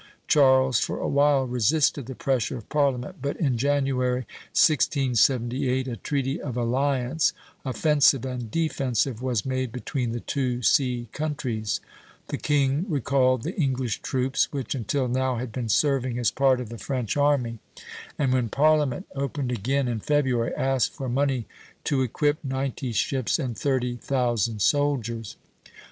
Charles for a while resisted the pressure of Parliament, but in January, 1678, a treaty of alliance, offensive and defensive, was made between the two sea countries; the king recalled the English troops which until now had been serving as part of the French army, and when Parliament opened again in February, asked for money to equip ninety ships and thirty thousand soldiers.